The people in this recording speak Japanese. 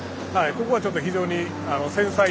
ここはちょっと非常に繊細に。